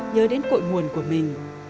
nhớ đến cội nguồn của mình